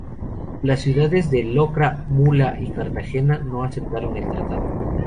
Las ciudades de Lorca, Mula y Cartagena no aceptaron el tratado.